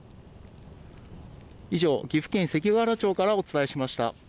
以上、岐阜県関ケ原町からお伝えしました。